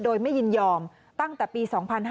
โดยไม่ยินยอมตั้งแต่ปี๒๕๕๙